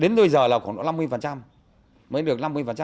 mới được năm mươi